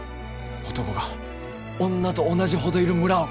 男が女と同じほどいる村を！